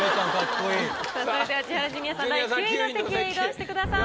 さぁそれでは千原ジュニアさん第９位の席へ移動してください。